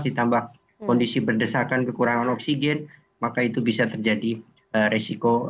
ditambah kondisi berdesakan kekurangan oksigen maka itu bisa terjadi resiko